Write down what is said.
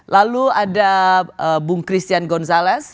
lalu ada bung christian gonzalez